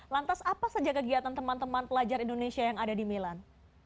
lantas apa saja kegiatan teman teman pelajar indonesia yang ada di milan